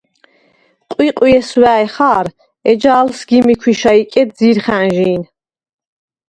ყვიყვ ჲესვა̄̈̈ჲ ხა̄რ, ეჯა ალ სგიმი ქვიშა იკედ ძირხა̈ნჟი̄ნ.